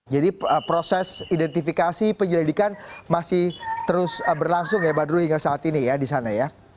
jadi proses identifikasi penyelidikan masih terus berlangsung ya badro hingga saat ini ya di sana ya